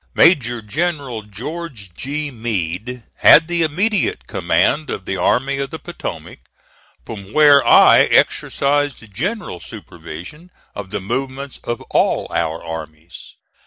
Major General George G. Meade had the immediate command of the Army of the Potomac, from where I exercised general supervision of the movements of all our armies.